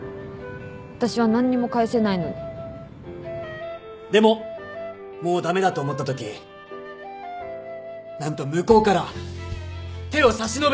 私は何にも返せないのにでももう駄目だと思ったとき何と向こうから手を差し伸べてくれたんです！